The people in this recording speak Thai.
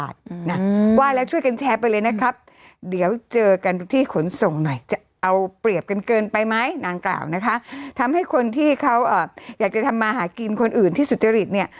เป็นเกินไปไหมนางกล่าวนะคะทำให้คนที่เขาอยากจะทำมาหากินคนอื่นที่สุจริตเนี่ย